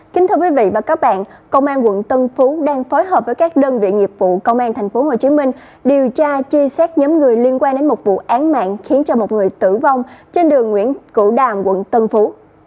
kính thưa quý vị và các bạn công an quận tân phú đang phối hợp với các đơn vị nghiệp vụ công an tp hcm điều tra truy xét nhóm người liên quan đến một vụ án mạng khiến cho một người tử vong trên đường nguyễn cửu đàm quận tân phú